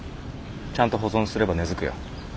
ちゃんと保存すれば根づくよ。